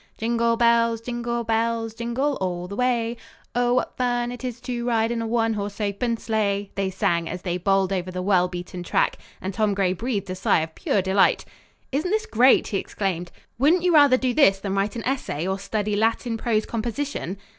Jingle bells, jingle bells, Jingle all the way. Oh, what fun 'tis to ride In a one horse open sleigh. they sang as they bowled over the well beaten track; and Tom Gray breathed a sigh of pure delight. "Isn't this great!" he exclaimed. "Wouldn't you rather do this than write an essay or study Latin prose composition?"